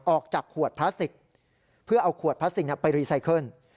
ออกจากขวดพลาสติกเพื่อเอาขวดพลาสติกไปรีไซเคิล